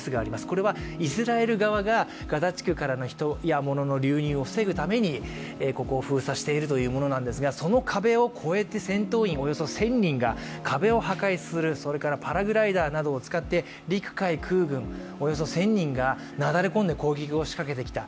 これはイスラエル側がガザ地区からの人や物を流入するのを防ぐためにここを封鎖しているというものなのですがその壁を越えて戦闘員１０００人が壁を破壊する、それからパラグライダーなどを使って、陸海空、およそ１０００人が流れ込むように侵入してきた。